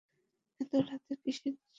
এত রাতে কীসের জন্য?